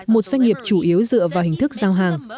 một doanh nghiệp chủ yếu dựa vào hình thức giao hàng